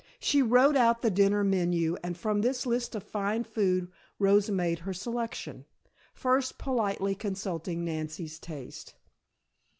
She wrote out the dinner menu, and from this list of fine food Rosa made her selection, first politely consulting Nancy's taste.